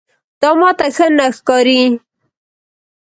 دا ماته ښه نه ښکاري.